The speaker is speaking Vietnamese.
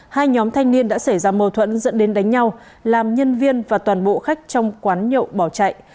hai nhóm thanh niên đã xảy ra mâu thuẫn dẫn đến đánh nhau làm nhân viên và toàn bộ khách trong quán nhậu bỏ chạy